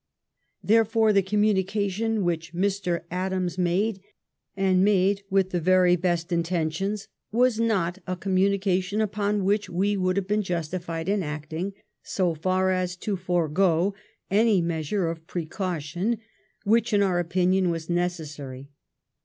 Therefore, the communication which Mr. Adams made, and made with the very best intentions, was not a conmiunica tion upon which we would have been justified in acting, so far as ta forego any measure of precaution which in our opinion was necessary.